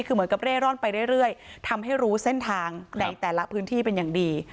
คือเหมือนกับเร่ร่อนไปเรื่อยทำให้รู้เส้นทางในแต่ละพื้นที่เป็นอย่างดี